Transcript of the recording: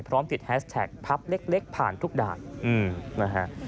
พร้อมติดแฮชแท็กพับเล็กผ่านทุกด่านนะฮะ